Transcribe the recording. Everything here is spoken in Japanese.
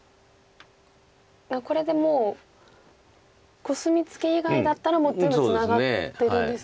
これでもうコスミツケ以外だったらもう全部ツナがってるんですね。